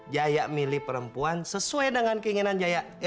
jaya milih perempuan sesuai dengan keinginan jaya